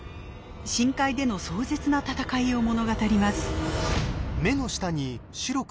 深海での壮絶な闘いを物語ります。